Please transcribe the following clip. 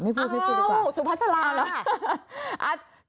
อ้าวสุพัสลาวแล้ว